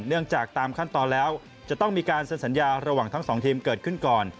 จากตามขั้นตอนแล้วจะต้องมีการเซ็นสัญญาระหว่างทั้งสองทีมเกิดขึ้นก่อน